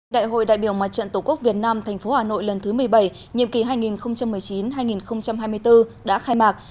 đại hội đại biểu mặt trận tổ quốc việt nam tp hà nội lần thứ một mươi bảy nhiệm kỳ hai nghìn một mươi chín hai nghìn hai mươi bốn đã khai mạc